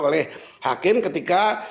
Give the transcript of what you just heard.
oleh hakim ketika